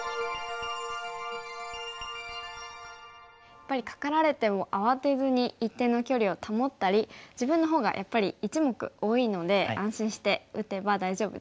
やっぱりカカられても慌てずに一定の距離を保ったり自分のほうがやっぱり１目多いので安心して打てば大丈夫ですね。